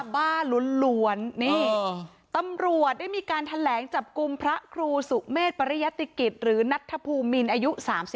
บ้าล้วนนี่ตำรวจได้มีการแถลงจับกลุ่มพระครูสุเมษปริยติกิจหรือนัทธภูมินอายุ๓๒